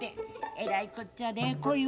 えらいこっちゃでこいは。